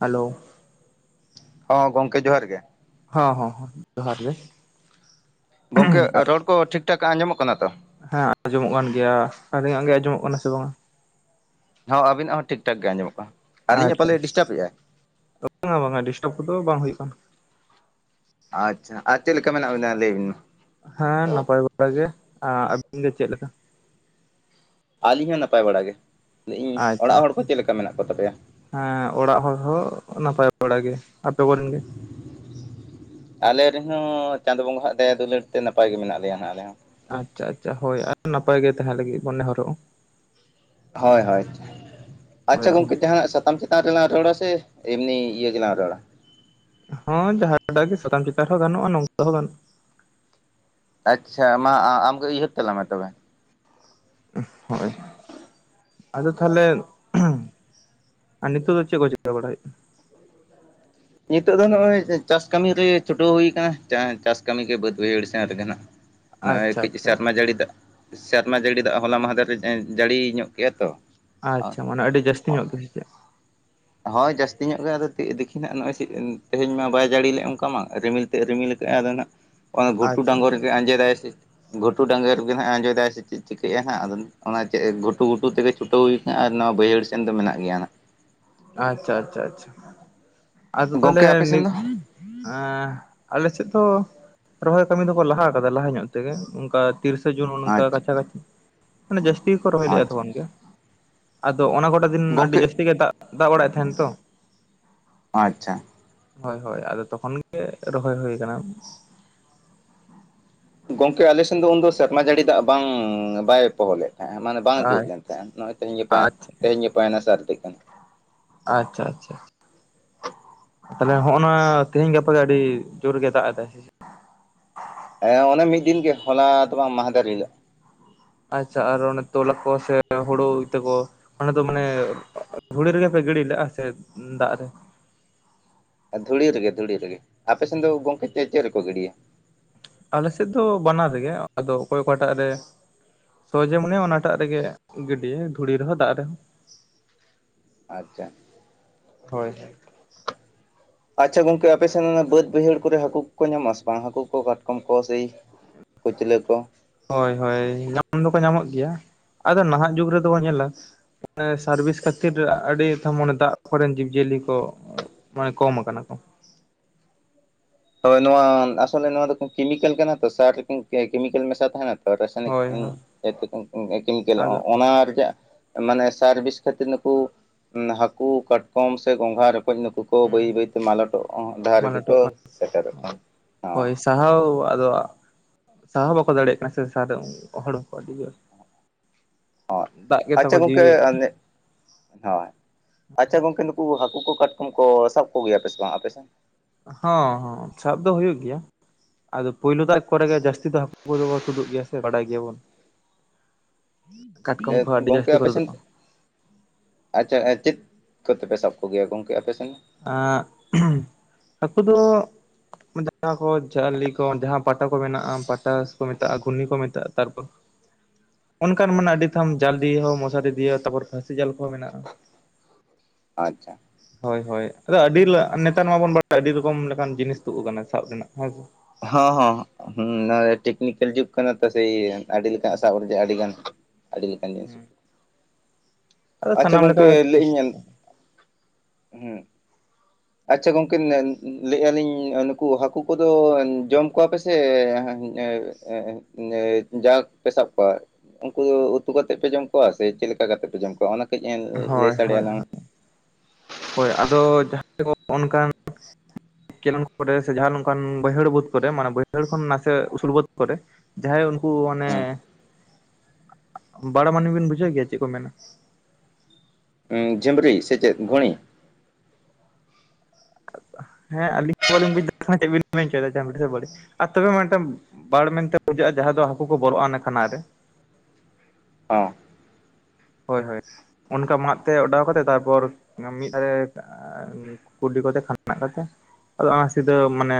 Hello ᱦᱚᱸ ᱜᱚᱝᱠᱮ ᱡᱚᱦᱟᱨ ᱜᱮ ᱦᱚ ᱦᱚ ᱦᱚ ᱡᱚᱦᱟᱨ ᱜᱮ ᱜᱚᱝᱠᱮ ᱨᱚᱲ ᱠᱚ ᱴᱷᱤᱠ ᱴᱷᱟᱠ ᱟᱸᱡᱚᱢᱚᱜ ᱠᱟᱱᱟ ᱛᱚ ᱦᱮᱸ ᱟᱸᱡᱚᱢᱚᱜ ᱠᱟᱱ ᱜᱮᱭᱟ ᱟᱹᱞᱤᱧᱟᱜ ᱜᱮ ᱟᱸᱡᱚᱢᱚᱜ ᱠᱟᱱᱟ ᱥᱮ ᱵᱟᱝᱼᱟ ᱦᱚᱸ ᱟᱵᱤᱱᱟᱜ ᱦᱚᱸ ᱴᱷᱤᱠ ᱴᱷᱟᱠ ᱜᱮ ᱟᱸᱡᱚᱢᱚᱜᱼᱟ ᱟᱪᱪᱷᱟᱷᱟ ᱵᱟᱝᱟ ᱵᱟᱝᱟ ᱰᱤᱥᱴᱟᱵ ᱠᱚᱫᱚ ᱵᱟᱝ ᱦᱩᱭᱩᱜ ᱠᱟᱱᱟ ᱟᱪᱪᱷᱟ ᱟᱨ ᱪᱮᱫ ᱞᱮᱠᱟ ᱢᱮᱱᱟᱜ ᱵᱮᱱᱟ ᱞᱟᱹᱭ ᱵᱤᱱ ᱢᱟ ᱦᱮᱸ ᱱᱟᱯᱟᱭ ᱵᱟᱲᱟ ᱜᱮ ᱟᱵᱤᱱ ᱜᱮ ᱪᱮᱫᱞᱮᱠᱟ ᱟᱹᱞᱤᱧ ᱦᱚᱸ ᱱᱟᱯᱟᱭ ᱵᱟᱲᱟ ᱜᱮ ᱞᱟ ᱤᱧ ᱟᱪᱪᱷᱟ ᱚᱲᱟᱜ ᱦᱚᱲ ᱠᱚ ᱪᱮᱫ ᱞᱮᱠᱟ ᱢᱮᱱᱟᱜ ᱠᱚᱛᱟᱯᱮᱭᱟ ᱦᱮᱸ ᱚᱲᱟᱜ ᱦᱚᱲ ᱦᱚᱸ ᱱᱟᱯᱟᱭ ᱵᱟᱲᱟ ᱜᱮ ᱟᱯᱮ ᱠᱚᱨᱮᱱ ᱜᱮ ᱟᱞᱮ ᱨᱮᱱᱦᱚᱸ ᱪᱟᱸᱫᱚ ᱵᱚᱸᱜᱟ ᱦᱟᱸᱜ ᱫᱟᱭᱟ ᱫᱩᱞᱟᱹᱲ ᱛᱮ ᱱᱟᱯᱟᱭ ᱜᱮ ᱢᱮᱱᱟᱜ ᱞᱮᱭᱟ ᱦᱟᱸᱜ ᱟᱞᱮ ᱦᱚᱸ ᱟᱪᱪᱷᱟ ᱟᱪᱪᱷᱟ ᱦᱳᱭ ᱟᱨ ᱱᱟᱯᱟᱭ ᱜᱮ ᱛᱟᱦᱮᱸ ᱞᱟᱹᱜᱤᱫ ᱵᱚ ᱱᱮᱦᱚᱨᱚᱜᱼᱟ ᱦᱳᱭ ᱦᱳᱭ ᱟᱪᱪᱷᱟ ᱦᱳᱭ ᱜᱚᱝᱠᱮ ᱡᱟᱦᱟᱸᱱᱟᱜ ᱥᱟᱛᱟᱢ ᱪᱮᱛᱟᱱ ᱨᱮᱞᱟᱝ ᱨᱚᱲᱟ ᱥᱮ ᱮᱢᱱᱤ ᱤᱭᱟᱹ ᱜᱮᱞᱟᱝ ᱨᱚᱲᱟ ᱦᱮᱸ ᱡᱟᱦᱟᱸᱴᱟᱜ ᱜᱮ ᱥᱟᱛᱟᱢ ᱪᱮᱛᱟᱱ ᱨᱮ ᱦᱚᱸ ᱜᱟᱱᱚᱜᱼᱟ ᱱᱚᱝᱠᱟ ᱦᱚᱸ ᱜᱟᱱᱚᱜᱼᱟ ᱟᱪᱪᱷᱟ ᱢᱟ ᱟᱢᱜᱮ ᱩᱭᱦᱟᱹᱨ ᱛᱟᱞᱟᱝ ᱢᱮ ᱛᱚᱵᱮ᱾ ᱦᱳᱭ ᱟᱫᱚ ᱛᱟᱦᱚᱞᱮ, [inaudible] ᱟᱨ ᱱᱤᱛᱚᱜ ᱫᱚ ᱪᱮᱫ ᱠᱚ ᱪᱮᱠᱟ ᱵᱟᱲᱟᱭ ᱦᱩᱭᱩᱼᱟ? ᱱᱤᱛᱚᱜ ᱫᱚ ᱱᱚᱜᱼᱚᱭ ᱪᱟᱥ ᱠᱟᱹᱢᱤ ᱨᱮ ᱪᱷᱩᱴᱟᱹᱣ ᱦᱩᱭᱠᱟᱱᱟ, ᱪᱟᱥ ᱠᱟᱹᱢᱤ ᱜᱮ ᱵᱟᱹᱫᱽ ᱵᱟᱹᱭᱦᱟᱹᱲ ᱥᱮᱱ ᱨᱮᱜᱮ ᱱᱟᱜ᱾ [inaudible] ᱱᱚᱜᱼᱚᱭ ᱠᱟᱹᱡ ᱟᱪᱪᱷᱟ ᱥᱮᱨᱢᱟ ᱟᱪᱪᱷᱟ ᱡᱟᱹᱲᱤ ᱫᱟᱜ, ᱥᱮᱨᱢᱟ ᱡᱟᱹᱲᱤ ᱫᱟᱜ ᱦᱚᱞᱟ ᱢᱟᱦᱫᱮᱨᱮ ᱡᱟᱹᱲᱤ ᱧᱚᱜ ᱠᱮᱜ-ᱟ ᱛᱚ᱾ ᱟᱪᱪᱷᱟ, ᱢᱟᱱᱮ ᱟᱹᱰᱤ ᱡᱟᱹᱥᱛᱤ ᱧᱚᱜ ᱜᱮ ᱥᱮ ᱪᱮᱫ? ᱦᱳᱭ ᱡᱟᱹᱥᱛᱤ ᱧᱚᱜ ᱜᱮ ᱟᱫᱚ ᱫᱤᱠᱷᱤ ᱱᱟᱜ ᱱᱚᱜᱼᱚᱭ᱾ [inaudible] ᱛᱮᱦᱮᱧ ᱢᱟ ᱵᱟᱭ ᱡᱟᱹᱲᱤ ᱞᱮᱫ ᱚᱱᱠᱟ ᱢᱟ ᱨᱤᱢᱤᱞ ᱛᱮ ᱨᱤᱢᱤᱞ ᱠᱟᱜᱼᱟ ᱟᱫᱚ ᱱᱟᱜ᱾ ᱚᱱᱟ ᱜᱷᱩᱴᱩ ᱟᱪᱪᱷᱟ ᱰᱟᱸᱜᱚᱨ ᱨᱮᱜᱮ ᱟᱸᱡᱮᱫᱟᱭ ᱥᱮ ᱜᱷᱩᱴᱩ ᱰᱟᱸᱜᱚᱨᱜᱮ ᱱᱟᱦᱟᱜ ᱟᱸᱡᱮᱫᱟᱭ ᱥᱮ ᱪᱮᱫ ᱪᱤᱠᱟᱹᱭᱮᱫᱼᱟ᱾ ᱱᱟᱦᱟᱜ ᱟᱫᱚ ᱚᱱᱟ ᱪᱮᱫ ᱮ ᱜᱷᱩᱴᱩ ᱜᱷᱩᱴᱩ ᱛᱮᱜᱮ ᱪᱷᱴᱟᱹᱣ ᱦᱩᱭ ᱟᱠᱟᱱᱟ ᱟᱨ ᱱᱚᱣᱟ ᱵᱟᱹᱭᱦᱟᱹᱲ ᱥᱮᱱ ᱫᱚ ᱢᱮᱱᱟᱜ ᱜᱮᱭᱟ ᱱᱟᱦᱟᱜ᱾ ᱟᱪᱪᱷᱟ ᱟᱪᱷᱟ ᱟᱪᱷᱟ, ᱟᱫᱚ ᱛᱟᱦᱞᱮ ᱜᱚᱝᱠᱮ ᱟᱯᱮ ᱥᱮᱱ ᱱᱤᱛ ᱫᱚ ᱮᱸ ᱟᱞᱮᱥᱮᱫ ᱫᱚ ᱨᱚᱦᱚᱭ ᱠᱟᱹᱢᱤ ᱫᱚᱠᱚ ᱞᱟᱦᱟ ᱟᱠᱟᱫᱟ ᱞᱟᱦᱟ ᱧᱚᱜ ᱛᱮᱜᱮ ᱚᱱᱠᱟ ᱛᱤᱨᱤᱥᱟ ᱡᱩᱱ ᱚᱱᱠᱟ ᱟᱪᱪᱷᱟ ᱠᱟᱪᱷᱟ ᱠᱟᱪᱷᱤ ᱢᱟᱱᱮ ᱡᱟᱹᱥᱛᱤ ᱜᱮ ᱠᱚ ᱨᱚᱦᱚᱭ ᱞᱮᱫᱼᱟ ᱟᱪᱪᱷᱟ ᱛᱚᱠᱷᱚᱱ ᱜᱮ᱾ ᱟᱫᱚ ᱚᱱᱟ ᱠᱚᱴᱟ ᱫᱤᱱ ᱟᱹᱰᱤ ᱜᱚᱝᱠᱮ ᱡᱟᱹᱥᱛᱤ ᱜᱮ ᱫᱟᱜ ᱵᱟᱲᱟᱭᱮᱫ ᱛᱟᱦᱮᱱ ᱛᱚ᱾ ᱟᱪᱪᱷᱟ᱾ ᱦᱳᱭ ᱦᱳᱭ, ᱟᱫᱚ ᱛᱚᱠᱷᱚᱱ ᱜᱮ ᱨᱚᱦᱚᱭ ᱦᱩᱭ ᱟᱠᱟᱱᱟ᱾ ᱜᱚᱝᱠᱮ ᱟᱞᱮᱥᱮᱱ ᱫᱚ ᱩᱱᱫᱚ ᱥᱮᱨᱢᱟ ᱡᱟᱹᱲᱤ ᱫᱟᱜ ᱵᱟᱝ ᱵᱟᱭ ᱯᱚᱦᱚᱞ ᱞᱮᱫ ᱛᱟᱦᱮᱸᱫ ᱢᱟᱱᱮ᱾ ᱵᱟᱝ ᱡᱳᱨ ᱞᱮᱱ ᱛᱟᱦᱮᱸᱜ-ᱟ, ᱱᱚᱜᱼᱚᱭ ᱛᱮᱦᱮᱧ ᱜᱟᱯᱟ ᱟᱪᱪᱷᱟ ᱛᱮᱦᱮᱧ ᱜᱟᱯᱟ ᱱᱟ ᱥᱟᱨᱫᱤ ᱠᱟᱱᱟ᱾ ᱟᱪᱪᱷᱟ ᱟᱪᱪᱷᱟ᱾ ᱛᱟᱦᱚᱞᱮ ᱦᱚᱸᱜᱼᱚ ᱱᱟ ᱛᱮᱦᱤᱧ ᱜᱟᱯᱟ ᱜᱮ ᱟᱹᱰᱤ ᱡᱳᱨᱜᱮ ᱫᱟᱜ ᱮᱫᱟᱭ᱾ ᱦᱮᱸ ᱚᱱᱮ ᱢᱤᱫ ᱫᱤᱱ ᱜᱮ ᱦᱚᱞᱟ ᱛᱚ ᱵᱟᱝ ᱢᱟᱱᱫᱷᱮᱨ ᱦᱤᱞᱳᱜ᱾ ᱟᱪᱪᱷᱟ ᱟᱨ ᱚᱱᱮ ᱛᱚᱞᱟ ᱠᱚ ᱥᱮ ᱦᱩᱲᱩ ᱤᱛᱟᱹ ᱠᱚ? ᱚᱱᱟ ᱫᱚ ᱢᱟᱱᱮ ᱫᱷᱩᱲᱤ ᱨᱮᱜᱮ ᱯᱮ ᱜᱤᱰᱤ ᱞᱮᱼᱟ ᱥᱮ ᱫᱟᱜ ᱨᱮ? ᱫᱷᱩᱲᱤ ᱨᱮᱜᱮ ᱫᱷᱩᱲᱤ ᱨᱮᱜᱮ, ᱟᱯᱮ ᱥᱮᱱ ᱫᱚ ᱜᱚᱝᱠᱮ ᱪᱮ ᱪᱮᱫ ᱨᱮᱠᱚ ᱜᱤᱰᱤᱭᱟ? ᱟᱞᱮᱥᱮᱫ ᱫᱚ ᱵᱟᱱᱟᱨ ᱨᱮᱜᱮ, ᱟᱫᱚ ᱚᱠᱚᱭ ᱚᱠᱟᱴᱟᱜ ᱨᱮ᱾ ᱥᱚᱦᱚᱡᱮ ᱢᱚᱱᱮᱭᱟ ᱚᱱᱟᱴᱟᱜ ᱨᱮᱜᱮ ᱜᱤᱰᱤ ᱭᱟᱭ ᱫᱷᱩᱲᱤ ᱨᱮᱦᱚᱸ ᱫᱟᱜ ᱨᱮᱦᱚᱸ᱾ ᱟᱪᱪᱷᱟ᱾ ᱦᱳᱭ᱾ ᱟᱪᱪᱷᱟ ᱜᱚᱝᱠᱮ, ᱟᱯᱮ ᱥᱮᱱ ᱚᱱᱟ ᱵᱟᱹᱫᱽ ᱵᱟᱹᱭᱦᱟᱹᱲ ᱠᱚᱨᱮ ᱦᱟᱹᱠᱩ ᱠᱚᱠᱚ ᱧᱟᱢᱚᱜ ᱟᱥᱮ ᱵᱟᱝ? ᱦᱟᱹᱠᱩ ᱠᱚ ᱠᱟᱴᱠᱚᱢ ᱠᱚ ᱥᱮᱭ ᱠᱩᱪᱞᱟᱹ ᱠᱚ᱾ ᱦᱳᱭ ᱦᱳᱭ, ᱧᱟᱢ ᱫᱚᱠᱚ ᱧᱟᱢᱚᱜ ᱜᱮᱭᱟ ᱟᱫᱚ ᱱᱟᱦᱟᱜ ᱡᱩᱜᱽ ᱨᱮᱫᱚ ᱵᱚ ᱧᱮᱞᱟ, ᱚᱱᱮ ᱥᱟᱨ-ᱵᱤᱥ ᱠᱷᱟᱹᱛᱤᱨ ᱟᱹᱰᱤ ᱛᱚ ᱢᱟᱱᱮ ᱫᱟᱜ ᱠᱚᱨᱮᱱ ᱡᱤᱵᱽ-ᱡᱤᱭᱟᱹᱞᱤ ᱠᱚ, ᱢᱟᱱᱮ ᱠᱚᱢ ᱟᱠᱟᱱᱟ ᱠᱚ᱾ ᱛᱚ ᱱᱚᱣᱟ ᱟᱥᱚᱞᱮ ᱱᱚᱣᱟ ᱫᱚ ᱠᱤᱢᱤᱠᱟᱞ ᱠᱟᱱᱟ ᱛᱚ ᱥᱟᱨᱠᱤᱱ ᱮ ᱠᱤᱢᱤᱠᱟᱞ ᱢᱮᱥᱟ ᱛᱟᱦᱮᱱᱟ᱾ ᱦᱳᱭ ᱦᱳᱭ [unintelligible] ᱟᱫᱚ ᱚᱱᱟ ᱨᱮᱭᱟᱜ ᱢᱟᱱᱮ ᱥᱟᱨ-ᱵᱤᱥ ᱠᱷᱟᱹᱛᱤᱨ ᱱᱩᱠᱩ, ᱦᱟᱹᱠᱩ ᱠᱟᱴᱠᱚᱢ ᱥᱮ ᱜᱚᱝᱜᱷᱟ ᱨᱚᱠᱚᱡ ᱱᱩᱠᱩ ᱠᱚ ᱦᱩᱸ ᱵᱟᱹᱭ ᱵᱟᱹᱭᱛᱮ ᱢᱟᱞᱚᱴᱚᱜ ᱰᱟᱦᱟᱨ ᱢᱟ ᱨᱮᱜᱮ ᱞᱟᱹᱴᱩᱜ ᱠᱚ, ᱥᱮᱴᱮᱨᱚᱜ ᱠᱟᱱᱟ ᱦᱳᱭ ᱥᱟᱦᱟᱣ ᱟᱫᱚ ᱥᱟᱦᱟᱣ ᱵᱟᱠᱚ ᱫᱟᱲᱮᱭᱟᱜ ᱠᱟᱱᱟ ᱥᱟᱨᱮ ᱦᱚᱲ ᱦᱚᱸᱠᱚ ᱟᱹᱰᱤ ᱜᱮ᱾ ᱦᱚᱸ, ᱠᱚ ᱟᱪᱪᱷᱟ ᱜᱚᱝᱠᱮ ᱡᱤᱣᱤ ᱟᱹᱱᱤᱜ ᱦᱳᱭ, ᱟᱪᱪᱷᱟ ᱜᱚᱝᱠᱮ ᱱᱩᱠᱩ ᱦᱟᱹᱠᱩ ᱠᱚ ᱠᱟᱴᱠᱚᱢ ᱠᱚ ᱥᱟᱵ ᱠᱚᱜᱮᱭᱟ ᱯᱮ ᱥᱮ ᱵᱟᱝ ᱟᱯᱮ ᱥᱮᱜ? ᱦᱚᱸ ᱦᱚᱸ ᱥᱟᱵ ᱫᱚ ᱦᱩᱭᱩᱜ ᱜᱮᱭᱟ᱾ ᱟᱫᱚ ᱯᱳᱭᱞᱳ ᱫᱟᱜ ᱠᱚᱨᱮ ᱜᱮ ᱡᱟᱹᱥᱛᱤ ᱫᱚ ᱦᱟᱹᱠᱩ ᱠᱚᱫᱚ ᱛᱩᱫᱩᱜ ᱜᱮᱭᱟ ᱥᱮ ᱵᱟᱰᱟᱭ ᱜᱮᱭᱟᱵᱚᱱ᱾ ᱠᱟᱴᱠᱚᱢ ᱠᱚᱦᱚᱸ [inaudible] ᱟᱹᱰᱤ ᱜᱚᱝᱠᱮ ᱡᱟᱹᱥᱛᱤ ᱠᱚ ᱟᱯᱮᱥᱮᱱ ᱛᱩᱫᱩᱜᱼᱟ ᱟᱪᱪᱷᱟ, ᱪᱮᱫ ᱠᱚᱛᱮᱯᱮ ᱥᱟᱵ ᱠᱚ ᱜᱮᱭᱟ ᱜᱚᱝᱠᱮ ᱟᱯᱮ ᱥᱮᱱ? [unintelligible] ᱦᱟᱹᱠᱩ ᱫᱚ, ᱡᱟᱦᱟᱸ ᱠᱚ ᱡᱷᱟᱹᱞᱤ ᱠᱚ ᱡᱟᱦᱟᱸ ᱯᱟᱴᱟ ᱠᱚ ᱢᱮᱱᱟᱜᱼᱟ ᱯᱟᱴᱟᱥ ᱠᱚ ᱢᱮᱛᱟᱜᱼᱟ ᱜᱷᱩᱨᱱᱤ ᱠᱚ ᱢᱮᱛᱟᱜᱼᱟ ᱛᱟᱨᱯᱚᱨ, ᱚᱱᱠᱟᱱ ᱢᱟᱱᱮ ᱟᱹᱰᱤ ᱛᱷᱟᱢ ᱡᱟᱞᱤ ᱫᱤᱭᱮ ᱦᱚᱸ ᱢᱚᱥᱟᱨᱤ ᱫᱤᱭᱮ ᱛᱟᱯᱚᱨ ᱯᱷᱟᱹᱥᱤ ᱡᱟᱞ ᱠᱚᱦᱚᱸ ᱢᱮᱱᱟᱜᱼᱟ᱾ ᱟᱪᱪᱷᱟ, ᱦᱳᱭ ᱦᱳᱭ, ᱟᱫᱚ ᱟᱹᱰᱤ ᱞᱟ ᱱᱮᱛᱟᱨ ᱢᱟᱵᱚᱱ ᱵᱟᱲᱟᱭᱟ ᱟᱹᱰᱤ ᱨᱚᱠᱚᱢ ᱞᱮᱠᱟᱱ ᱡᱤᱱᱤᱥ ᱛᱩᱫ ᱟᱠᱟᱱᱟ ᱥᱟᱵ ᱨᱮᱱᱟᱜ ᱦᱮᱸᱥᱮ᱾ ᱦᱚᱸ ᱦᱚᱸ᱾ ᱦᱩᱸ ᱱᱚᱣᱟ ᱴᱮᱠᱱᱤᱠᱮᱞ ᱡᱩᱜᱽ ᱠᱟᱱᱟ ᱛᱚ ᱥᱮᱭ ᱟᱹᱰᱤ ᱞᱮᱠᱟᱱᱚᱜ ᱥᱟᱵ ᱟᱹᱰᱤ ᱜᱟᱱ ᱟᱹᱰᱤᱼᱼ ᱦᱩᱸ [unintelligible] ᱟᱫᱚ ᱟᱪᱪᱷᱟ ᱥᱟᱱᱟᱢ ᱜᱚᱝᱠᱮ ᱞᱮᱠᱟ ᱞᱟᱹᱭ ᱟᱹᱧ [unintelligible] [inaudible] ᱟᱪᱪᱷᱟ ᱜᱚᱝᱠᱮ ᱞᱟᱹᱭᱮᱫᱼᱟ ᱞᱤᱧ ᱱᱩᱠᱩ ᱦᱟᱹᱠᱩ ᱠᱚᱫᱚ ᱡᱚᱢ ᱠᱚᱣᱟ ᱯᱮᱥᱮ [unintelligible] ᱮ ᱡᱟ ᱜᱮᱞᱮ ᱥᱟᱵ ᱠᱚᱣᱟ ᱩᱱᱠᱩ ᱫᱚ ᱩᱛᱩ ᱠᱟᱛᱮᱫ ᱯᱮ ᱡᱚᱢ ᱠᱚᱣᱟ ᱥᱮ ᱪᱮᱫ ᱞᱮᱠᱟ ᱠᱟᱛᱮᱜ ᱯᱮ ᱡᱚᱢ ᱠᱚᱣᱟ ᱚᱱᱟ ᱠᱟᱹᱡ ᱞᱟᱹᱭ ᱦᱳᱭ ᱥᱟᱰᱮ ᱦᱳᱭ ᱟᱞᱟᱝ ᱢᱮ ᱦᱳᱭ ᱟᱫᱚ ᱡᱟᱦᱟᱸᱭ ᱠᱚ ᱚᱱᱠᱟᱱ ᱠᱮᱞᱮᱱ ᱠᱚᱨᱮ ᱥᱮ ᱡᱟᱦᱟᱸ ᱚᱱᱠᱟᱱ ᱵᱟᱹᱭᱦᱟᱹᱲ ᱵᱟᱹᱫ ᱠᱚᱨᱮ ᱥᱮ ᱵᱟᱹᱭᱦᱟᱹᱲ ᱠᱷᱚᱱ ᱱᱟᱥᱮ ᱩᱥᱩᱞ ᱵᱟᱹᱫ ᱠᱚᱨᱮ ᱡᱟᱦᱟᱸᱭ ᱩᱱᱠᱩ ᱚᱱᱮ ᱢᱮ? ᱵᱟᱲ ᱢᱟᱱᱮ ᱵᱤᱱ ᱵᱩᱡᱷᱟᱹᱣ ᱜᱮᱭᱟ ᱪᱮᱫ ᱠᱚ ᱢᱮᱱᱟ ᱡᱷᱤᱢᱵᱽᱨᱤ ᱥᱮ ᱪᱮᱫ ᱜᱷᱩᱸᱲᱤ ᱦᱮᱸ ᱟᱹᱞᱤᱸᱜ ᱵᱟᱹᱞᱤᱧ ᱵᱩᱡᱫᱟ [unintelligible] ᱪᱮᱜ ᱵᱮᱱ ᱢᱮᱱᱪᱚᱭᱫᱟ [unintelligible] ᱟᱨ ᱛᱚᱵᱮ ᱢᱟᱛᱚᱢ᱾ ᱵᱟᱲ ᱢᱮᱱᱛᱮ ᱵᱩᱡᱟᱹᱜᱼᱟ ᱡᱟᱦᱟᱸ ᱫᱚ ᱦᱟᱹᱠᱩ ᱠᱚ ᱵᱚᱞᱚᱜᱼᱟ ᱠᱷᱟᱱᱟ ᱨᱮ ᱦᱚᱸ ᱦᱳᱭ ᱦᱳᱭ ᱚᱱᱠᱟ ᱢᱟᱫ ᱛᱮ ᱚᱰᱟᱣ ᱠᱟᱛᱮ ᱛᱟᱨᱯᱚᱨ ᱢᱤᱫ ᱫᱮ ᱠᱩᱰᱤ ᱠᱚᱛᱮ ᱠᱷᱟᱱᱟᱜ ᱠᱟᱛᱮ ᱟᱫᱚ ᱚᱱᱟ ᱥᱤᱫᱷᱟᱹ ᱢᱟᱱᱮ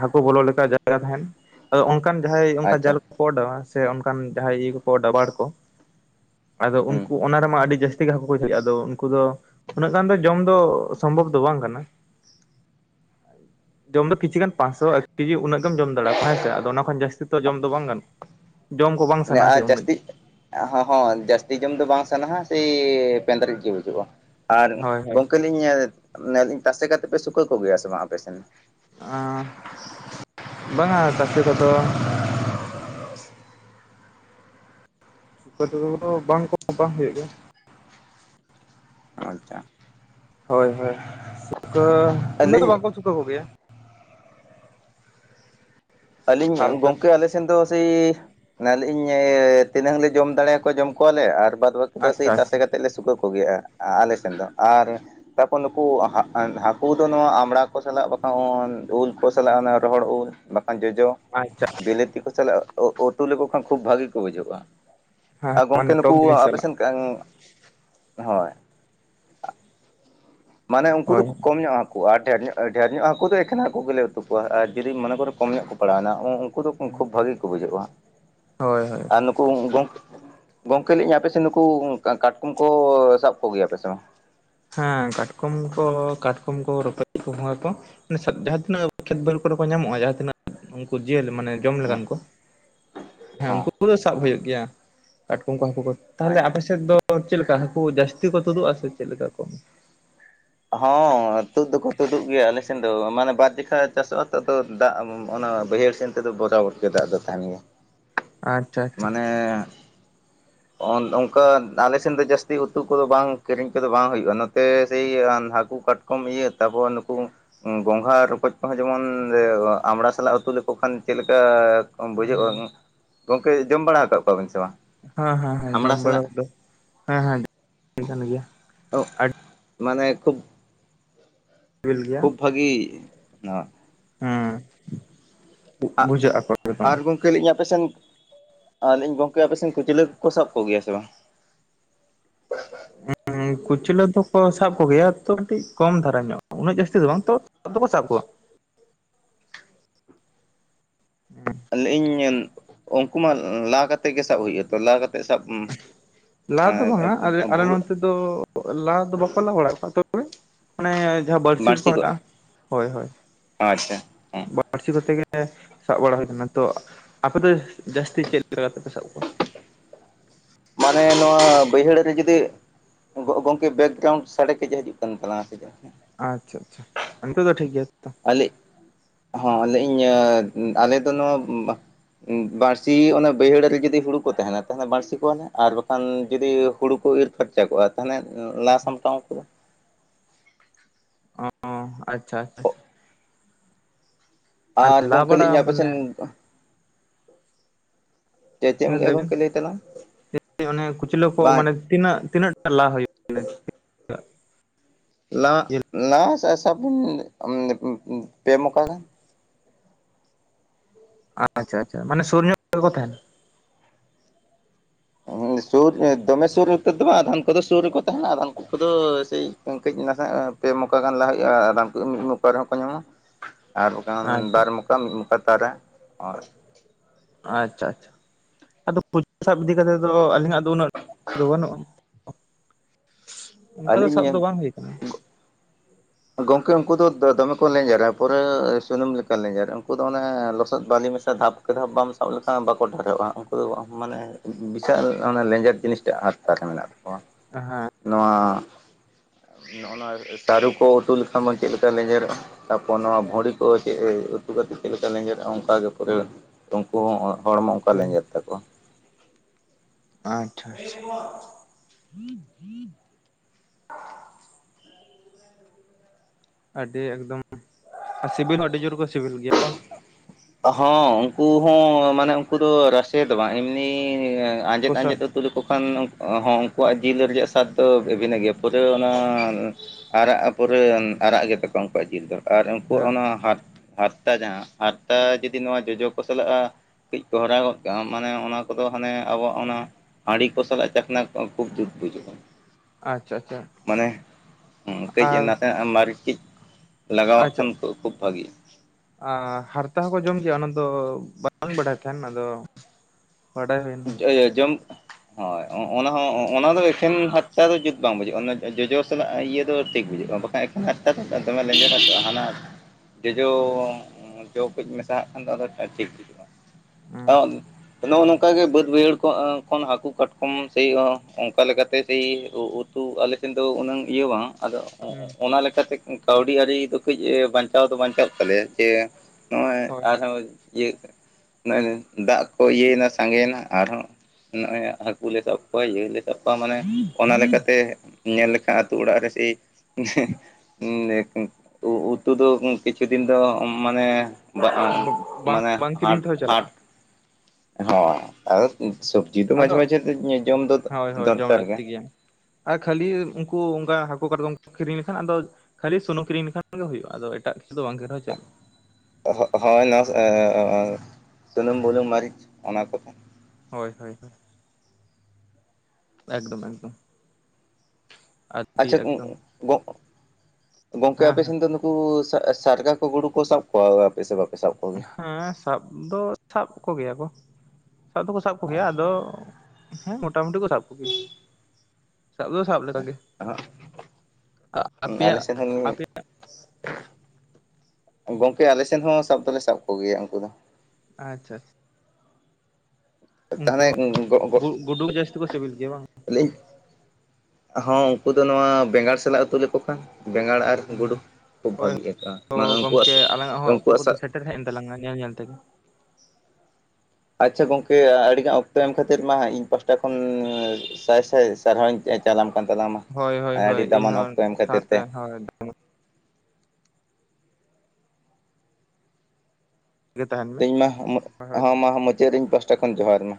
ᱦᱟᱹᱠᱩ ᱵᱚᱞᱚ ᱞᱮᱠᱟ ᱡᱟᱭᱜᱟ ᱛᱟᱦᱮᱱ ᱟᱫᱚ ᱚᱱᱠᱟᱱ ᱡᱟᱦᱟᱸᱭ ᱚᱱᱠᱟ ᱟᱪᱪᱷᱟ ᱡᱟᱞ ᱠᱚᱠᱚ ᱚᱰᱟᱣᱟ ᱥᱮ ᱚᱱᱠᱟᱱ ᱡᱟᱦᱟᱸᱭ ᱤᱭᱟᱹ ᱠᱚᱠᱚ ᱚᱰᱟᱣ ᱵᱟᱲ ᱠᱚ ᱟᱫᱚ ᱦᱩᱸ ᱩᱱᱠᱩ ᱚᱱᱟ ᱨᱮᱢᱟ ᱟᱹᱰᱤ ᱡᱟᱹᱥᱛᱤ ᱜᱮ ᱦᱟᱹᱠᱩ ᱠᱚ ᱡᱷᱟᱞᱤᱜ -ᱟ ᱟᱫᱚ ᱩᱱᱠᱩ ᱫᱚ ᱩᱱᱟᱹᱜ ᱜᱟᱱ ᱫᱚ ᱡᱚᱢ ᱫᱚ ᱥᱚᱢᱵᱷᱚᱵ ᱫᱚ ᱵᱟᱝ ᱠᱟᱱᱟ [unintelligible] ᱡᱚᱢ ᱫᱚ ᱠᱤᱪᱷᱩᱜᱟᱱ ᱯᱟᱸᱪᱥᱚ ᱮᱠ ᱠᱮᱡᱤ ᱩᱱᱟᱹᱜ ᱜᱮᱢ ᱡᱚᱢ ᱫᱟᱲᱮᱭᱟᱜᱼᱟ ᱦᱮᱸᱥᱮ ᱟᱫᱚ ᱚᱱᱟ ᱠᱷᱚᱱ ᱡᱟᱹᱥᱛᱤ ᱫᱚ ᱡᱚᱢ ᱫᱚ ᱵᱟᱝ ᱜᱟᱱᱼᱟ ᱡᱚᱢ ᱠᱚ ᱵᱟᱝ [unintelligible] ᱟ ᱡᱟᱹᱥᱛᱤᱜ ᱦᱚᱸ ᱡᱟᱹᱥᱛᱤ ᱡᱚᱢ ᱫᱚ ᱵᱟᱝ ᱥᱟᱱᱟᱣᱟ ᱥᱮ ᱯᱮᱱᱫᱨᱮᱡ ᱜᱮ ᱵᱩᱡᱩᱜᱼᱟ ᱟᱨ ᱦᱳᱭ ᱦᱳᱭ ᱜᱚᱝᱠᱮ ᱤᱧ ᱛᱟᱥᱮ ᱠᱟᱛᱮ ᱯᱮ ᱥᱩᱠᱟᱹ ᱠᱚᱜᱮᱭᱟ ᱥᱮ ᱵᱟᱝ ᱟᱯᱮᱥᱮᱱ ᱟᱸ ᱵᱟᱝᱟ ᱛᱟᱥᱮ ᱠᱚᱫᱚ ᱠᱚ [unintelligible] ᱵᱟᱝ ᱠᱚ ᱵᱟᱝ ᱦᱩᱭᱩᱜ ᱜᱮᱭᱟ ᱟᱪᱪᱷᱟ ᱦᱳᱭ ᱦᱳᱭ ᱥᱩᱠᱟᱹ ᱩᱱᱟᱹᱜ ᱫᱚ ᱟᱹᱞᱤᱧ ᱵᱟᱝᱠᱚ ᱥᱩᱠᱟᱹ ᱠᱚᱜᱮᱭᱟ ᱟᱹᱞᱤᱧ ᱦᱟᱞᱠᱟ ᱜᱚᱝᱠᱮ ᱟᱞᱮ ᱥᱮᱱ ᱫᱚ ᱥᱮ [unintelligible] ᱛᱤᱱᱟᱹᱝ ᱞᱮ ᱡᱚᱢ ᱫᱟᱲᱮᱭᱟᱠᱚᱣᱟ ᱡᱚᱢ ᱠᱚᱣᱟᱞᱮ ᱟᱨ ᱵᱟᱫ ᱵᱟᱠᱤ ᱫᱚ ᱥᱮ ᱟᱪᱪᱷᱟ ᱛᱟᱥᱮ ᱟᱪᱪᱷᱟ ᱠᱟᱛᱮᱫ ᱞᱮ ᱥᱩᱠᱟᱹ ᱠᱚᱜᱮᱭᱟ ᱟᱞᱮ ᱥᱮᱱ ᱫᱚ ᱟᱨ ᱛᱟᱨᱯᱚᱨ ᱱᱩᱠᱩ ᱦᱟᱹᱠᱩ ᱫᱚ ᱱᱚᱣᱟ ᱟᱢᱲᱟ ᱠᱚ ᱥᱟᱞᱟᱜ ᱵᱟᱠᱷᱟᱱ ᱩᱞ ᱠᱚ ᱥᱟᱞᱟᱜ ᱨᱚᱦᱚᱲ ᱩᱞ ᱵᱟ ᱠᱷᱟᱱ ᱡᱚᱡᱚ ᱟᱪᱪᱷᱟ ᱵᱤᱞᱟᱹᱛᱤ ᱠᱚ ᱥᱟᱞᱟᱜ ᱩᱛᱩ ᱞᱮᱠᱚ ᱠᱷᱟᱱ ᱠᱷᱩᱵᱽ ᱵᱷᱟᱜᱮ ᱠᱚ ᱵᱩᱡᱷᱟᱹᱜᱼᱟ ᱦᱮᱸ ᱦᱮᱸ ᱟᱨ ᱜᱚᱝᱠᱮ ᱢᱟᱱᱮ ᱱᱩᱠᱩ ᱴᱚᱠ ᱡᱤᱱᱤᱥ ᱟᱯᱮ ᱥᱟᱞᱟᱜ ᱥᱮᱱ [unintelligible] ᱦᱳᱭ ᱢᱟᱱᱮ ᱩᱱᱠᱩ ᱫᱚ ᱦᱳᱭ ᱠᱚᱢ ᱧᱚᱜᱼᱟ ᱟᱨ ᱰᱷᱮᱨ ᱧᱚᱜ ᱰᱷᱮᱨ ᱧᱚᱜ ᱦᱟᱹᱠᱩ ᱫᱚ ᱮᱠᱷᱮᱱ ᱦᱟᱹᱠᱩ ᱜᱮᱞᱮ ᱩᱛᱩ ᱠᱚᱣᱟ ᱟᱨ ᱡᱩᱫᱤ ᱢᱚᱱᱮ ᱠᱚᱨᱚ ᱠᱚᱢ ᱧᱚᱜ ᱠᱚ ᱯᱟᱲᱟᱣᱱᱟ [unintelligible] ᱩᱱᱠᱩ ᱫᱚ ᱠᱷᱩᱵ ᱵᱷᱟᱜᱮ ᱠᱚ ᱵᱩᱡᱷᱟᱹᱼᱟ ᱦᱳᱭ ᱦᱳᱭ ᱟᱨ ᱠᱩ ᱜᱚᱝ ᱜᱚᱝᱠᱮ ᱞᱟᱹᱭ ᱟᱹᱧ ᱟᱯᱮᱥᱮᱫ ᱱᱩᱠᱩ ᱠᱟᱴᱠᱚᱢ ᱠᱚ ᱥᱟᱵ ᱠᱚᱜᱮᱭᱟ ᱟᱯᱮ ᱥᱮ ᱵᱟᱝ ᱦᱮᱸ ᱠᱟᱴᱠᱚᱢ ᱠᱚ ᱠᱟᱴᱠᱚᱢ ᱠᱚ ᱨᱚᱠᱚᱡ ᱜᱚᱸᱜᱷᱟ ᱠᱚ ᱡᱟᱦᱟᱸ ᱛᱤᱱᱟᱹᱜ ᱠᱷᱮᱛ ᱵᱟᱹᱞ ᱠᱚᱨᱮ ᱠᱚ ᱧᱟᱢᱚᱜᱼᱟ ᱡᱟᱦᱟᱸ ᱛᱤᱱᱟᱹᱜ ᱩᱱᱠᱩ ᱡᱤᱭᱟᱹᱞᱤ ᱢᱟᱱᱮ ᱡᱚᱢ ᱞᱮᱠᱟᱱ ᱠᱚ ᱦᱮᱸ ᱩᱱᱠᱩ ᱦᱚᱸ ᱠᱚᱫᱚ ᱥᱟᱵ ᱦᱩᱭᱩᱜ ᱜᱮᱭᱟ ᱠᱟᱴᱠᱚᱢ ᱠᱚ ᱦᱟᱹᱠᱩ ᱠᱚ ᱛᱟᱦᱞᱮ ᱟᱪᱪᱷᱟ ᱟᱯᱮ ᱥᱮᱫ ᱫᱚ ᱪᱮᱫ ᱞᱮᱠᱟ ᱦᱟᱹᱠᱩ ᱡᱟᱹᱥᱛᱤ ᱠᱚ ᱛᱩᱫᱩᱜ ᱟ ᱥᱮ ᱪᱮᱫ ᱞᱮᱠᱟ ᱠᱚ ᱦᱚᱸ ᱛᱩᱫ ᱫᱚᱠᱚ ᱛᱩᱫᱩᱜ ᱜᱮᱭᱟ ᱟᱞᱮᱥᱮᱱ ᱫᱚ ᱢᱟᱱᱮ ᱵᱟᱨ ᱡᱮᱠᱷᱟ ᱪᱟᱥᱚᱜᱼᱟ ᱛᱚ ᱫᱟᱜ ᱚᱱᱟ ᱵᱟᱹᱭᱦᱟᱹᱲ ᱥᱮᱱ ᱛᱮᱫᱚ ᱵᱚᱨᱟᱵᱚᱴ ᱜᱮ ᱫᱟᱜ ᱫᱚ ᱛᱟᱦᱮᱱ ᱜᱮᱭᱟ [unintelligible] ᱢᱟᱱᱮᱻ [unintelligible] ᱚᱱᱠᱟ ᱟᱞᱮ ᱥᱮᱱ ᱫᱚ ᱡᱟᱹᱥᱛᱤ ᱩᱛᱩ ᱠᱚᱫᱚ ᱵᱟᱝ ᱠᱤᱨᱤᱧ ᱠᱚᱫᱚ ᱵᱟᱝ ᱦᱩᱭᱩᱜᱼᱟ ᱱᱚᱛᱮ ᱥᱮᱭ ᱦᱟᱹᱠᱩ ᱠᱟᱴ ᱠᱚᱢ ᱤᱭᱟᱹ ᱛᱟᱵᱚᱟ ᱱᱩᱠᱩ ᱜᱚᱝᱜᱷᱟ ᱨᱚᱠᱚᱡ ᱠᱚᱦᱚᱸ ᱡᱮᱢᱚᱱ ᱟᱢᱲᱟ ᱥᱟᱞᱟᱜ ᱩᱛᱩ ᱞᱮᱠᱚ ᱠᱷᱟᱱ ᱪᱮᱫ ᱞᱮᱠᱟ ᱦᱩᱸ ᱵᱩᱡᱷᱟᱹᱜᱼᱟ ᱦᱩᱸ ᱜᱚᱝᱠᱮ ᱡᱚᱢ ᱵᱟᱲᱟ ᱟᱠᱟᱫ ᱠᱚᱣᱟᱵᱮᱱ ᱥᱮ ᱵᱟᱝ? ᱦᱮᱸ ᱦᱮᱸ ᱦᱮᱸ ᱡᱚᱢ ᱟᱢᱲᱟ ᱵᱟᱲᱟ ᱥᱟᱞᱟᱜ ᱫᱚ [unintelligible] ᱦᱮᱸ ᱦᱮᱸ [inaudible] ᱠᱟᱱ ᱜᱮᱭᱟ ᱾ ᱚᱜ ᱢᱟᱱᱮ ᱠᱷᱩᱵᱽ ᱥᱤᱵᱤᱞ ᱜᱮᱭᱟ ᱠᱷᱩᱵᱽ ᱵᱷᱟᱹᱜᱤ [unintelligible] ᱱᱚᱣᱟ ᱦᱮᱸ [unintelligible] ᱟᱜ ᱵᱩᱡᱷᱟᱹᱜ ᱟᱠᱚ [unintelligible] ᱮᱠᱫᱚᱢ ᱟᱨ ᱜᱚᱝᱠᱮ ᱜᱚᱢᱠᱮᱞᱟᱹᱤᱧ ᱟᱯᱮ ᱥᱮᱱ [unintelligible] ᱟᱨ ᱟᱹᱞᱤᱧ ᱜᱚᱝᱠᱮ ᱟᱯᱮ ᱥᱮᱱ ᱠᱩᱪᱞᱟᱹ ᱦᱟᱹᱠᱩ ᱠᱚ ᱥᱟᱵ ᱠᱚᱜᱮᱭᱟ ᱥᱮ ᱵᱟᱝ? ᱦᱩ ᱠᱩᱪᱞᱟᱹ ᱫᱚᱠᱚ ᱥᱟᱵ ᱠᱚᱜᱮᱭᱟ ᱛᱚ ᱠᱟᱹᱴᱤᱡ ᱠᱚᱢ ᱫᱷᱟᱨᱟ ᱧᱚᱜ ᱩᱱᱟᱹᱜ ᱡᱟᱹᱥᱛᱤ ᱫᱚ ᱵᱟᱝ ᱛᱚ ᱾ [unintelligible] ᱠᱚ ᱥᱟᱵ ᱠᱚᱣᱟ [unintelligible] ᱞᱟᱭ ᱤᱧ ᱩᱱᱠᱩ ᱢᱟ ᱞᱟ ᱠᱟᱛᱮ ᱜᱮ ᱥᱟᱵ ᱦᱩᱭᱩᱜᱼᱟ ᱛᱚ ᱞᱟ ᱠᱟᱛᱮ ᱥᱟᱵ ᱩᱢ ᱞᱟ [unintelligible] ᱫᱚ ᱟᱨ ᱵᱟᱝᱟ ᱟᱞᱮ [inaudible] ᱟᱞᱮ ᱵᱷᱩᱜᱟᱹᱜ ᱱᱚᱱᱛᱮ ᱫᱚ ᱞᱟ ᱫᱚ ᱵᱟᱠᱚ ᱞᱟ ᱵᱟᱲᱟ [unintelligible] ᱛᱚᱵᱮ? ᱢᱟᱱᱮ ᱡᱟᱦᱟᱸ ᱵᱟᱹᱲᱥᱤ ᱠᱚᱠᱚ ᱢᱮᱛᱟᱜᱼᱟ [unintelligible] ᱦᱚᱭ ᱦᱚᱭ ᱟᱪᱪᱷᱟ [unintelligible] ᱦᱮᱸ ᱵᱟᱹᱲᱥᱤ ᱠᱚᱛᱮ ᱜᱮ [unintelligible] ᱥᱟᱵ ᱵᱟᱲᱟ ᱦᱩᱭᱩ ᱠᱟᱱᱟ᱾ ᱛᱚ [unintelligible] ᱟᱯᱮ ᱫᱚ ᱡᱟᱹᱥᱛᱤ ᱪᱮᱫ ᱛᱮᱯᱮ ᱥᱟᱵ ᱠᱚᱣᱟ? ᱢᱟᱱᱮ ᱱᱚᱣᱟ ᱵᱟᱹᱭᱦᱟᱹᱲ ᱨᱮ ᱡᱩᱫᱤ ᱜᱚᱜ ᱜᱚᱝᱠᱮ ᱵᱮᱠᱜᱨᱟᱣᱩᱱᱰ ᱥᱟᱰᱮ ᱠᱟᱹᱡ ᱦᱤᱡᱩᱜ ᱠᱟᱱ ᱛᱟᱞᱟᱝᱟ ᱥᱮᱪᱮᱫ ᱟᱪᱪᱷᱟ ᱟᱪᱪᱷᱟ [unintelligible] ᱟᱨ ᱱᱤᱛᱚᱜ ᱫᱚ ᱴᱷᱤᱠ ᱜᱮᱭᱟ ᱛᱚ ᱾ ᱟᱞᱤ [unintelligible] ᱦᱚᱸ ᱞᱟᱸᱭ ᱤᱧ ᱟᱞᱮ ᱫᱚ ᱱᱚᱣᱟ ᱵᱟᱹ ᱵᱟᱹᱲᱥᱤ ᱚᱱᱟ ᱵᱟᱹᱭᱦᱟᱹᱲ ᱨᱮ ᱡᱩᱫᱤ ᱦᱩᱲᱩ ᱠᱚ ᱛᱟᱦᱮᱱᱟ ᱛᱟᱦᱚᱞᱮ ᱵᱟᱹᱲᱥᱤ ᱠᱚᱣᱟᱞᱮ ᱟᱨ ᱵᱟᱠᱷᱟᱱ ᱡᱩᱫᱤ ᱦᱩᱲᱩ ᱠᱚ ᱤᱨᱻ ᱯᱷᱟᱨᱪᱟ ᱠᱚᱜᱼᱟ ᱛᱟᱦᱞᱮ ᱞᱟ ᱥᱟᱢᱴᱟᱣ ᱠᱮᱫᱟ ᱚᱸ [unintelligible] ᱟᱪᱪᱷᱟ ᱟᱪᱪᱷᱟ ᱟᱨ ᱞᱟ ᱜᱚᱝᱠᱮ ᱵᱟᱲᱟ ᱞᱟᱹᱭᱤᱧ ᱟᱯᱮ ᱢᱟᱱᱮ ᱥᱮᱱ [unintelligible] ᱦᱮᱸ ᱞᱟᱹᱭ ᱵᱤᱱ ᱛᱟᱞᱟᱝ [unintelligible] ᱚᱱᱮ ᱠᱩᱪᱞᱟᱹ ᱠᱚ ᱵᱟᱝ ᱢᱟᱱᱮ ᱛᱤᱱᱟᱹᱜ ᱛᱤᱱᱟᱹᱜ ᱴᱟ ᱞᱟ ᱦᱩᱭᱩᱜᱼᱟ [unintelligible] ᱞᱟᱜ ᱞᱟ ᱥᱮ ᱥᱟᱵᱩᱱ ᱯᱮ ᱢᱚᱠᱟ ᱜᱟᱱ᱾ ᱟᱪᱪᱷᱟ ᱟᱪᱪᱷᱟ ᱢᱟᱱᱮ ᱥᱩᱨ ᱧᱚᱜ [unintelligible] ᱠᱚ ᱛᱟᱦᱮᱱ᱾ ᱥᱩᱨ ᱫᱚᱢᱮ ᱥᱩᱨ ᱩᱛᱟᱹᱨ ᱫᱚ ᱵᱟᱝ ᱟᱫᱷᱟᱱ ᱠᱚᱫᱚ ᱥᱩᱨ ᱨᱮᱠᱚ ᱛᱟᱦᱮᱱᱟ ᱟᱫᱷᱟᱱ ᱠᱚᱫᱚ ᱥᱮᱭ [unintelligible] ᱠᱟᱹᱡ ᱱᱟᱥᱮ ᱯᱮ ᱢᱚᱠᱟ ᱜᱟᱱ ᱞᱟᱦᱟ ᱦᱩᱭᱩᱜᱼᱟ ᱨᱟᱱ ᱠᱚ ᱢᱤᱫ ᱢᱚᱠᱟ ᱨᱮᱦᱚᱸ ᱠᱚ ᱧᱟᱢᱚᱜᱼᱟ ᱾ ᱟᱨ [unintelligible] ᱟᱪᱪᱷᱟ ᱵᱟᱨ ᱢᱚᱠᱟ ᱢᱤᱫ ᱢᱚᱠᱟ ᱛᱟᱨᱟ ᱟᱨ ᱟᱪᱪᱷᱟ ᱟᱪᱪᱷᱟ ᱾ ᱟᱫᱚ [unintelligible] ᱥᱟᱵ ᱤᱫᱤ ᱠᱟᱛᱮᱫ ᱫᱚ ᱟᱹᱞᱤᱧᱟᱜ ᱫᱚ ᱩᱱᱟᱹᱜ ᱫᱚ ᱵᱟᱹᱱᱩᱜᱼᱟ ᱾ [unintelligible] ᱚᱱᱠᱟ ᱫᱚ ᱥᱟᱵ ᱫᱚ ᱟᱹᱞᱤᱧ ᱵᱟᱝ ᱦᱩᱭᱩᱜ ᱾ ᱜᱚᱝᱠᱮ ᱩᱱᱠᱩ ᱫᱚ ᱫᱚᱢᱮ ᱠᱚ ᱞᱮᱧᱡᱮᱨᱟ ᱯᱚᱨᱮ ᱥᱩᱱᱩᱢ ᱞᱮᱠᱟ ᱞᱮᱸᱡᱮᱨ ᱩᱱᱠᱩ ᱫᱚ ᱚᱱᱮ ᱞᱚᱥᱚᱫ ᱵᱟᱹᱞᱤ ᱢᱮᱥᱟ ᱫᱷᱟᱯ ᱠᱮᱫᱷᱟᱣ ᱵᱟᱢ ᱥᱟᱵ ᱞᱮᱠᱷᱟᱱ ᱵᱟᱠᱚ ᱰᱷᱮᱨᱚᱜᱼᱟ ᱩᱱᱠᱩ ᱫᱚ ᱢᱟᱱᱮ ᱵᱤᱥᱟᱞ ᱚᱱᱟ ᱞᱮᱸᱧᱡᱮᱛ ᱡᱤᱱᱤᱥᱴᱟᱜ ᱦᱟᱨᱛᱟ ᱨᱮ ᱢᱮᱱᱟᱜ ᱛᱟᱠᱚᱣᱟ ᱾ ᱦᱮᱸ ᱾ ᱱᱚᱣᱟᱜ [unintelligible] ᱱᱚᱜᱼᱱᱚᱣᱟ ᱛᱟᱹᱨᱩ ᱠᱚ ᱩᱛᱩ ᱞᱮᱠᱷᱟᱱ ᱢᱟ ᱪᱮᱫᱞᱮᱠᱟ ᱞᱮᱸᱡᱮᱨᱚᱜᱼᱟ ᱾ ᱛᱟᱯᱚᱨ ᱱᱚᱣᱟ ᱵᱷᱩᱲᱤ ᱠᱚ ᱪᱮᱫ ᱩᱛᱩ ᱠᱟᱛᱮᱫ ᱪᱮᱫ ᱞᱮᱠᱟ ᱞᱮᱸᱡᱮᱨᱚᱜᱼᱟ ᱚᱱᱠᱟᱜᱮ ᱯᱚᱨᱮ ᱩᱱᱠᱩ ᱦᱚᱸ ᱦᱚᱲᱢᱚ ᱚᱱᱠᱟ ᱞᱮᱸᱡᱮᱫ ᱛᱟᱠᱚᱣᱟ ᱾ ᱟᱪᱪᱷᱟ ᱟᱪᱪᱷᱟ [unintelligible] [unintelligible] [unintelligible] ᱟᱹᱰᱤ ᱮᱠᱫᱚᱢ [unintelligible] ᱟᱨ ᱥᱤᱵᱤᱞ ᱦᱚᱸ ᱟᱹᱰᱤ ᱡᱳᱨ ᱠᱚ ᱥᱤᱵᱤᱞ ᱜᱮᱭᱟ ᱾ ᱦᱚᱸ ᱩᱱᱠᱩ ᱦᱚᱸ ᱢᱟᱱᱮ ᱩᱱᱠᱩ ᱫᱚ ᱨᱟᱥᱮ ᱫᱚ ᱵᱟᱝ ᱮᱢᱱᱤ ᱠᱚ ᱟᱸᱡᱮᱫ ᱥᱟᱵ ᱟᱸᱡᱮᱫ ᱩ ᱼᱛᱩ ᱞᱮᱠᱚ ᱠᱷᱟᱱ ᱦᱚᱸ ᱩᱱᱠᱩᱣᱟᱜ ᱡᱤᱞ ᱨᱮᱭᱟᱜ ᱥᱟᱫ ᱫᱚ ᱵᱷᱤᱱᱟᱹ ᱜᱮᱭᱟ ᱯᱩᱨᱟᱹ ᱚᱱᱟ ᱟᱨᱟᱜᱼᱟ ᱯᱩᱨᱟᱹ ᱟᱨᱟᱜ ᱜᱮ ᱛᱟᱠᱚᱣᱟ ᱩᱱᱠᱩᱣᱟᱜ ᱡᱤᱞ ᱫᱚ᱾ ᱟᱨ ᱩᱱᱠᱩᱣᱟᱜ ᱦᱮᱸ ᱚᱱᱟ ᱦᱮᱸ ᱦᱟᱨᱛ ᱦᱟᱨᱛᱟ ᱡᱟᱦᱟᱸ ᱦᱟᱨᱛᱟ ᱡᱩᱫᱤ ᱱᱚᱣᱟ ᱡᱚᱡᱚ ᱠᱚ ᱥᱟᱞᱟᱜᱼᱟ᱾ ᱠᱤᱹᱡ ᱠᱚᱦᱚᱨᱟ ᱜᱚᱫ ᱠᱟᱜᱼᱟᱢ ᱢᱟᱱᱮ ᱚᱱᱟ ᱠᱚᱫᱚ ᱦᱟᱱᱮ ᱟᱵᱚ ᱚᱱᱟ ᱦᱟᱺᱲᱤ ᱠᱚ ᱥᱟᱞᱟᱜ ᱪᱟᱠᱷᱱᱟ ᱠᱷᱩᱵ ᱡᱩᱛ ᱵᱩᱡᱩᱜᱼᱟ᱾ ᱟᱪᱪᱷᱟ ᱟᱪᱪᱷᱟ ᱢᱟᱱᱮ ᱠᱟᱹᱡ ᱟᱨ ᱱᱟᱥᱮᱱᱟᱜ ᱢᱟᱨᱮ ᱠᱟᱹᱡ ᱞᱟᱜᱟᱣᱟᱜ ᱠᱷᱟᱱ ᱠᱚ ᱠᱷᱩᱵ ᱵᱷᱟᱜᱤᱜᱼᱟ᱾ ᱟ‌ ᱦᱟᱨᱛᱟ ᱦᱚᱸᱠᱚ ᱡᱚᱢ ᱜᱮᱭᱟ ᱚᱱᱟ ᱫᱚ ᱵᱟᱹᱧ ᱵᱟᱲᱟᱭ ᱛᱟᱸᱦᱮᱱ, ᱟᱫᱚ ᱵᱟᱰᱟᱭ ᱦᱩᱭᱱᱟ ᱤᱭᱟᱹ ᱡᱚᱢ ᱦᱳᱭ ᱚᱱᱟ ᱦᱚᱸ ᱚᱱᱟ ᱫᱚ ᱮᱠᱷᱮᱱ ᱦᱟᱨᱛᱟ ᱫᱚ ᱡᱩᱛ ᱵᱟᱝ ᱵᱩᱡᱷᱟᱹᱜᱼᱟ᱾ ᱡᱚᱡᱚ ᱥᱟᱞᱟᱜ ᱤᱭᱟᱹ ᱫᱚ ᱴᱷᱤᱠ ᱵᱩᱡᱷᱟᱹᱜᱼᱟ, ᱵᱟᱠᱷᱟᱱ ᱦᱟᱨᱛᱟ ᱫᱚᱢᱮ ᱞᱮᱡᱮᱨ ᱟᱛᱚ ᱦᱟᱱᱟ ᱡᱚᱡᱚ ᱡᱚ ᱠᱟᱹᱡ ᱢᱮᱥᱟᱣᱟᱜ ᱠᱷᱟᱱ ᱫᱚ ᱟᱫᱚ ᱮᱴ ᱴᱷᱤᱠ ᱵᱩᱡᱩᱜᱼᱟᱫ᱾ ᱦᱩᱸ ᱦ [unintelligible] ᱚᱱᱠᱟᱟᱜ ᱜᱮ ᱵᱟᱹᱫᱽ ᱵᱟᱹᱭᱦᱟᱹᱲ ᱠᱚ ᱠᱷᱚᱱ ᱦᱟᱹᱠᱩ ᱠᱟᱴᱠᱚᱢ ᱥᱮᱭ ᱚᱱᱠᱟ ᱞᱮᱠᱟᱛᱮ ᱥᱮᱭ ᱩᱼᱩ ᱛᱩ ᱟᱞᱮ ᱥᱮᱱ ᱫᱚ ᱩᱱᱟᱹᱝ ᱤᱭᱟᱹ ᱵᱟᱝ, ᱟᱫᱚ ᱦᱩᱸ ᱚᱱᱟ ᱞᱮᱠᱟᱛᱮ ᱠᱟᱹᱣᱰᱤ ᱟᱹᱨᱤ ᱫᱚ ᱠᱟᱹᱡ ᱵᱟᱧᱪᱟᱣ ᱫᱚ ᱵᱟᱧᱪᱟᱜ ᱛᱟᱞᱮᱭᱟ, ᱡᱮ ᱱᱚᱜᱼᱚᱭ ᱦᱳᱭ ᱟᱨᱦᱚᱸ ᱤᱭᱟᱹ ᱱᱚᱜᱚᱭ ᱫᱟᱜ ᱠᱚ ᱤᱭᱟᱹᱭᱮᱱᱟ ᱥᱟᱸᱜᱮᱭ ᱮᱱᱟ ᱟᱨᱦᱚᱸ ᱱᱚᱜᱼᱚᱭ ᱦᱟᱹᱠᱩ ᱞᱮ ᱥᱟᱵ ᱠᱚᱣᱟ ᱤᱭᱟᱹᱞ ᱞᱮ ᱥᱟᱵ ᱠᱚᱣᱟ ᱢᱟᱱᱮ ᱚᱱᱟ ᱞᱮᱠᱟᱛᱮ ᱧᱮᱞ ᱞᱮᱠᱷᱟᱱ ᱟᱹᱛᱩ ᱚᱲᱟᱜ ᱨᱮ ᱥᱮᱭ ᱩ ᱩᱛᱩ ᱫᱚ ᱠᱤᱪᱷᱩ ᱫᱤᱱ ᱫᱚ ᱢᱟᱱᱮ [unintelligible] ᱵᱟᱝ ᱢᱟᱱᱮ ᱵᱟᱝ ᱠᱤᱨᱤᱧ ᱦᱟᱴ, ᱛᱮᱦᱚᱸ ᱪᱟᱞᱟᱜᱼᱟ ᱦᱟᱴ᱾ ᱦᱚᱸ ᱟᱫᱚ ᱥᱚᱵᱡᱤ ᱫᱚ ᱢᱟᱡᱷᱮ ᱟᱫᱚ ᱢᱟᱡᱷᱮ ᱡᱚᱢ ᱫᱚ ᱫᱚᱨᱠᱟᱨ ᱜᱮ, ᱟ ᱠᱷᱟᱹᱞᱤ ᱩᱱᱠᱩ ᱚᱱᱠᱟ ᱦᱟᱹᱠᱩ ᱠᱟᱴᱠᱚᱢ ᱠᱚ ᱠᱤᱨᱤᱧ ᱞᱮᱠᱷᱟᱱ, ᱟᱫᱚ ᱠᱷᱟᱹᱞᱤ ᱥᱩᱱᱩᱢ ᱠᱤᱨᱤᱧ ᱞᱮᱠᱷᱟᱱ ᱜᱮ ᱦᱩᱭᱩᱜᱼᱟ᱾ ᱟ ᱮᱴᱟᱜ ᱠᱤᱪᱷᱩ ᱵᱟᱝᱤᱨᱦᱚᱸ ᱪᱟᱞᱩᱜ ᱦᱚᱸᱜ ᱦᱩᱭ ᱱᱟᱥ ᱮᱻ ᱥᱩᱱᱩᱢ ᱵᱩᱞᱩᱝ ᱢᱟᱹᱨᱤᱪ ᱚᱱᱟ ᱠᱚᱫᱚ, ᱦᱳᱭ ᱦᱳᱭ ᱦᱳᱭ᱾ ᱮᱠᱫᱚᱢ ᱮᱠᱫᱚᱢ ᱟᱪ ᱟᱪᱪᱷᱟ ᱜᱚᱸᱜ, ᱜᱚᱝᱠᱮ ᱦᱮᱸ ᱦᱮᱸ ᱟᱯᱮᱥᱮᱱ ᱫᱚ ᱠᱩ ᱥᱟᱨᱜᱟ ᱠᱚ ᱜᱩᱰᱩ ᱠᱚ ᱥᱟᱵ ᱠᱚᱯᱮ ᱥᱮ ᱵᱟᱯᱮ ᱥᱟᱵ ᱠᱚᱜᱮᱭᱟ ᱦᱮᱸ ᱥᱟᱵ ᱫᱚ ᱥᱟᱵ ᱠᱚᱜᱮᱭᱟ ᱠᱚ ᱥᱟᱵ ᱫᱚᱠᱚ ᱥᱟᱵ ᱠᱚᱜᱮᱭᱟ ᱟᱫᱚ ᱦᱮᱸ ᱢᱳᱴᱟᱢᱩᱴᱤ ᱠᱚ ᱥᱟᱵ ᱠᱚᱜᱮᱭᱟ᱾ ᱥᱟᱵ ᱫᱚ ᱥᱟᱵ ᱟᱪᱪᱷᱟ ᱞᱮᱠᱟᱜᱮ, ᱟᱪᱪᱷᱟ ᱟᱯᱮᱭᱟᱜ ᱟᱞᱮ ᱥᱮᱱ ᱦᱚᱸ ᱟᱯᱮᱭᱟᱜ ᱜᱚᱝᱠᱮ ᱟᱞᱮ ᱥᱮᱱ ᱦᱚᱸ ᱥᱟᱵ ᱫᱚᱞᱮ ᱥᱟᱵ ᱠᱚᱜᱮᱭᱟ ᱩᱱᱠᱩ ᱫᱚ᱾ ᱟ ᱪᱪᱷᱟᱷᱟ᱾ ᱩᱱᱠᱩ ᱛᱟᱦᱚᱞᱮ ᱜᱩᱜ ᱜᱩᱰᱩ ᱡᱟᱹᱥᱛᱤ ᱠᱚ ᱥᱤᱵᱤᱞ ᱜᱮᱭᱟ ᱵᱟᱝ? ᱞᱟᱹᱭ ᱤᱧ ᱦᱚᱸ ᱩᱱᱠᱩ ᱫᱚ ᱱᱚᱣᱟ ᱵᱮᱸᱜᱟᱲ ᱥᱟᱞᱟᱜ ᱩᱛᱩ ᱞᱮᱠᱚ ᱠᱷᱟᱱ, ᱵᱮᱸᱜᱟᱲ ᱟᱨ ᱜᱩᱰᱩ ᱠᱷᱩᱵ ᱦᱳᱭ ᱵᱷᱟᱹᱜᱤ ᱟᱹᱭᱠᱟᱹᱜᱼᱟ ᱛᱚ ᱢᱟᱱᱮ ᱩᱱᱠᱩᱣᱟᱜ ᱜᱚᱢᱠᱮ ᱟᱞᱟᱝᱟᱜ ᱦᱚᱸ ᱚᱠᱛᱚ ᱩᱱᱠᱩᱣᱟᱜ ᱠᱚᱫᱚ ᱥᱟᱵ ᱥᱮᱴᱮᱨ ᱦᱮᱡ ᱛᱟᱞᱟᱝ ᱧᱮᱞ ᱧᱮᱞ ᱛᱮ ᱜᱮ, ᱟᱪᱪᱷᱟ ᱜᱚᱝᱠᱮ ᱟᱹᱰᱤᱜᱟᱱ ᱚᱠᱛᱚ ᱮᱢ ᱠᱷᱟᱹᱛᱤᱨ ᱢᱟ ᱤᱧ ᱯᱟᱥᱴᱟ ᱠᱷᱚᱱ ᱥᱟᱭ ᱥᱟᱭ ᱥᱟᱨᱦᱟᱣ ᱤᱧ ᱪᱟᱞᱟᱢ ᱠᱟᱱ ᱛᱟᱞᱟᱢᱟ ᱦᱳᱭ ᱦᱳᱭ ᱟᱹᱰᱤ ᱦᱳᱭ ᱤᱧ ᱫᱟᱢᱟᱱ ᱦᱚᱸ ᱚᱠᱛᱚ ᱮᱢ ᱠᱷᱟᱹᱛᱤᱨ ᱛᱮ, ᱥᱟᱶᱛᱮ ᱦᱳᱭ [unintelligible] ᱵᱷᱟᱜᱮ ᱛᱟᱦᱮᱱ ᱢᱮ ᱤᱧ ᱢᱟ ᱦᱳᱭ ᱦᱳᱭ ᱦᱚᱸ ᱢᱟ ᱢᱟ ᱢᱩᱪᱟᱹᱫ ᱤᱧ ᱯᱟᱦᱴᱟ ᱠᱷᱚᱱ ᱡᱚᱦᱟᱨ ᱢᱟ᱾